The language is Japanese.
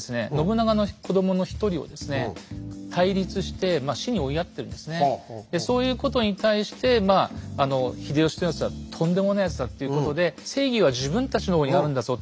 急激に膨張してでそういうことに対してまあ秀吉というやつはとんでもないやつだっていうことで義はこっちにあるぞと。